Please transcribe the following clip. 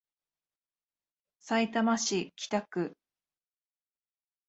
さいたま市北区